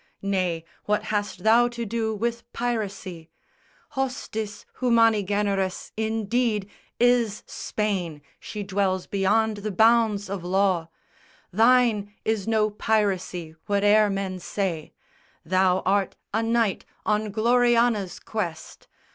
Nay; what hast thou to do with piracy? Hostis humani generis indeed Is Spain: she dwells beyond the bounds of law; Thine is no piracy, whate'er men say, Thou art a knight on Gloriana's quest.